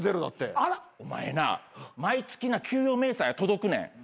お前な毎月な給与明細が届くねん。